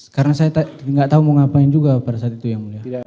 karena saya enggak tahu mau ngapain juga pada saat itu ya mulia